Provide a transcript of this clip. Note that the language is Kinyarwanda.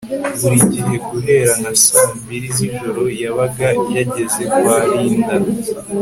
buri gihe guhera nka saa mbiri zijoro yabaga yageze kwa Linda